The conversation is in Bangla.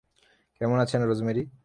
কেমন আছেন, রোজমেরি?